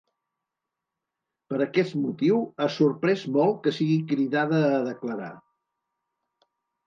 Per aquest motiu ha sorprès molt que sigui cridada a declarar.